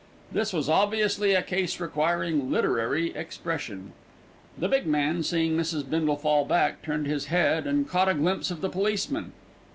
This was obviously a case requiring literary expression. The big man, seeing Mrs. Bindle fall back, turned his head and caught a glimpse of the policeman.